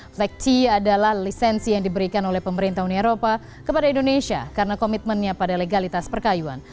flegt adalah lisensi yang diberikan oleh pemerintah uni eropa kepada indonesia karena komitmennya pada legalitas perkayuan